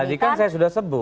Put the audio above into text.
tadi kan saya sudah sebut